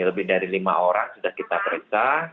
lebih dari lima orang sudah kita periksa